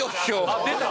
あっ出た！